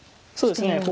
そうですね